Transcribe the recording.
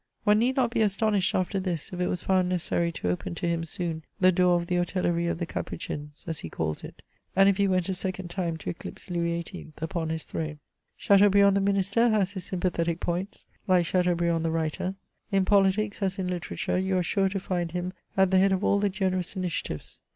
One need not he astonished after this if it was found neces sary to open to him soon the door of the " Hotellerie of the Capuchins," as he calls it, and if he went a second time to eclipse Louis XVIII upon his throne. Chateauhriand, the Ministei*, has his sympathetic points, like Chateaubriand, the writer. In politics, as in literature, you are sure to find him at the head of all the generous initiatives.